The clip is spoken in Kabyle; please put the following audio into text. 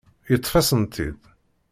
Yeṭṭef-asen-tt-id.